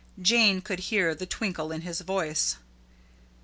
Jane could hear the twinkle in his voice.